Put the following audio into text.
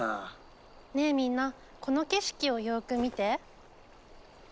ねえみんなこの景色をよく見て。